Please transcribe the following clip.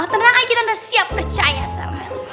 terang aja tante siap percaya sal